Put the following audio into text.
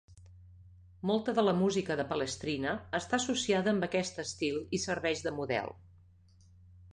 Molta de la música de Palestrina està associada amb aquest estil i serveix de model.